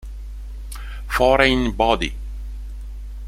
Foreign Body